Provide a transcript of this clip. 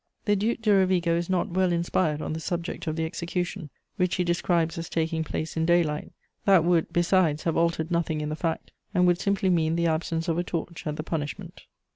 The Duc de Rovigo is not well inspired on the subject of the execution, which he describes as taking place in daylight; that would, besides, have altered nothing in the fact, and would simply mean the absence of a torch at the punishment.